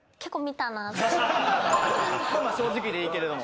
まあまあ正直でいいけれども。